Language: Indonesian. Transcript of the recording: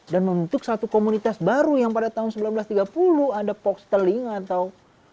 dan membentuk satu komunitas baru yang pada tahun seribu sembilan ratus tiga puluh ada pogsteling atau